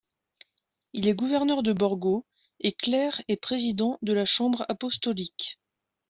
Il est gouverneur de Borgo et clerc et président de la chambre apostolique.